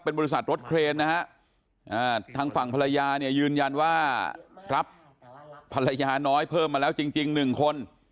เป็นบริษัทรถเครนนะทางฝั่งภรรยายืนยันว่าภรรยาน้อยเพิ่มมาแล้วจริง๑คน